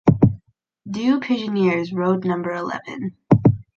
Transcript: Deux Pigeonniers road number eleven